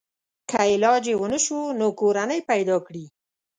که علاج یې ونشو نو کورنۍ پیدا کړي.